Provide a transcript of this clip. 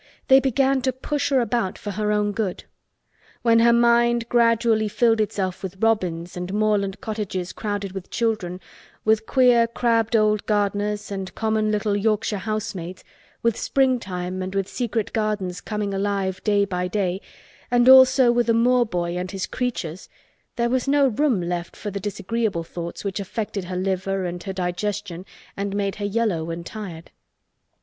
They began to push her about for her own good. When her mind gradually filled itself with robins, and moorland cottages crowded with children, with queer crabbed old gardeners and common little Yorkshire housemaids, with springtime and with secret gardens coming alive day by day, and also with a moor boy and his "creatures," there was no room left for the disagreeable thoughts which affected her liver and her digestion and made her yellow and tired.